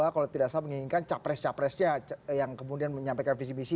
kalau tidak salah menginginkan capres capresnya yang kemudian menyampaikan visi misi